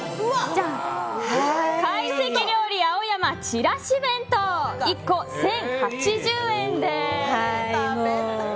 懐石料理青山、ちらし弁当１個１０８０円です。